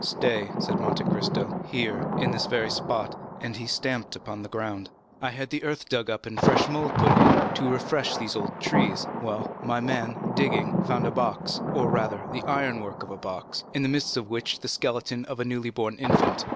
"Stay," said Monte Cristo, "here, in this very spot" (and he stamped upon the ground), "I had the earth dug up and fresh mould put in, to refresh these old trees; well, my man, digging, found a box, or rather, the iron work of a box, in the midst of which was the skeleton of a newly born infant."